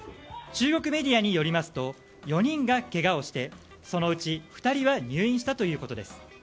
中国メディアによりますと４人がけがをしてそのうち２人は入院したということです。